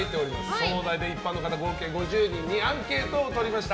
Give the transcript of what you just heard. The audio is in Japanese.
そのお題で一般の方合計５０人にアンケートをとりました。